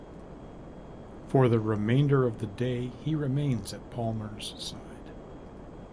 For the remainder of the day, he remains at Palmer's side.